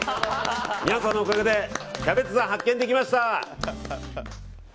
皆さんのおかげでキャベツ山、発見できました！